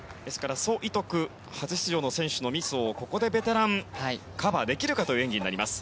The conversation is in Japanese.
ソ・イトク初出場の選手のミスをここでベテランカバーできるかという演技になります。